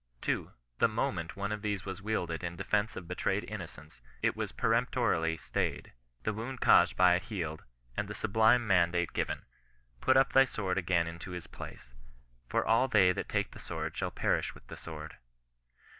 2. The moment one of these was wielded in defence of betrayed innocence, it was peremp torily stayed, the wound caused by it healed, and the sublune mandate given, " Put up thy sword again into his place ; for all they that take the sword shall perish with the sword."